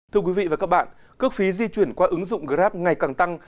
thưa quý vị và các bạn cước phí di chuyển qua ứng dụng grab ngày càng tăng